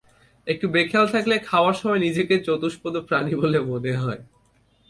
একটু বেখেয়াল থাকলে খাওয়ার সময় নিজেকে চতুষ্পদ প্রাণী বলে মনে হয়।